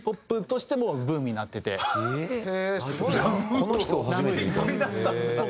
この人を初めて見た。